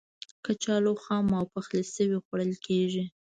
کچالو خام او پخلی شوی خوړل کېږي.